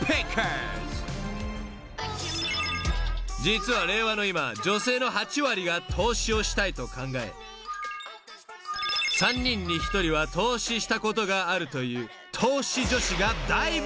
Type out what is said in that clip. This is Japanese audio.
［実は令和の今女性の８割が投資をしたいと考え３人に１人は投資したことがあるという］